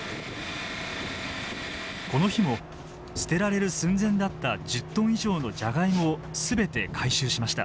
この日も捨てられる寸前だった１０トン以上のジャガイモを全て回収しました。